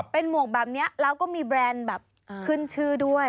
เป็นหมวกแบบนี้แล้วก็มีแบรนด์แบบขึ้นชื่อด้วย